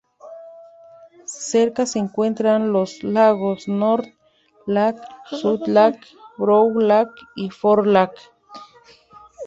Cerca se encuentran los lagos North Lake, South Lake, Brown Lake y Ford Lake.